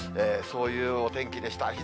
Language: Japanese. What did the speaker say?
そういうお天気でした。